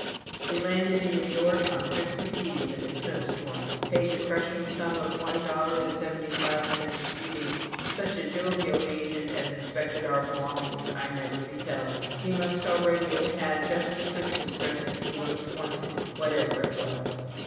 We landed in New York on Christmas Eve, in a snowstorm; paid the crushing sum of one dollar and seventy five cents duty, such a jovial agent as inspected our belongings I never beheld; he must already have had just the Christmas present he most wanted, whatever it was.